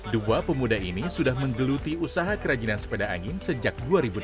dua pemuda ini sudah menggeluti usaha kerajinan sepeda angin sejak dua ribu delapan